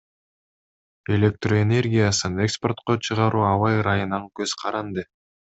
Электроэнергиясын экспортко чыгаруу аба ырайынан көзкаранды.